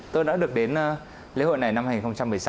tôi đã được đến lễ hội này năm hai nghìn một mươi sáu